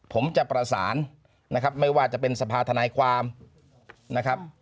ผมจะประสานนะครับไม่ว่าจะเป็นสภาธนายความนะครับ